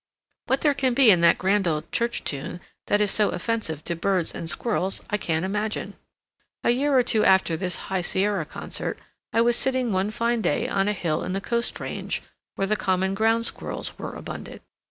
What there can be in that grand old church tune that is so offensive to birds and squirrels I can't imagine. A year or two after this High Sierra concert, I was sitting one fine day on a hill in the Coast Range where the common Ground Squirrels were abundant.